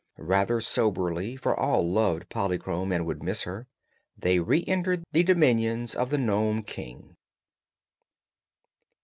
Rather soberly, for all loved Polychrome and would miss her, they reentered the dominions of the Nome King.